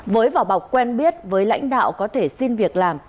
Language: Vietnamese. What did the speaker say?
với vỏ bọc quen biết với lãnh đạo có thể xin việc làm